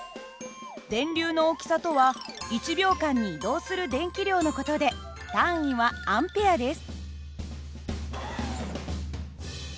電流の大きさとは１秒間に移動する電気量の事で単位はＡです。